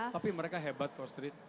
tapi mereka hebat pak astrid